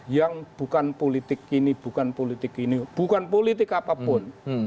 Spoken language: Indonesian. yang bukan politik ini bukan politik ini bukan politik apapun